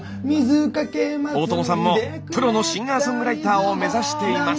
大友さんもプロのシンガーソングライターを目指しています。